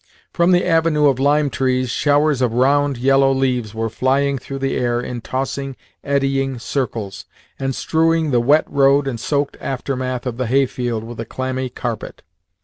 From the avenue of lime trees showers of round, yellow leaves were flying through the air in tossing, eddying circles, and strewing the wet road and soaked aftermath of the hayfield with a clammy carpet.